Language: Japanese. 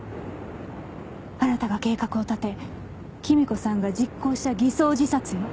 あなたが計画を立て君子さんが実行した偽装自殺よ。